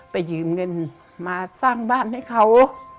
ยืมเงินมาสร้างบ้านให้เขา